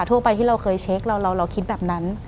ทั่วไปที่เราเคยเช็คเราคิดแบบนั้น